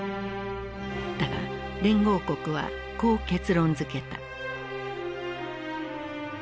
だが連合国はこう結論づけた。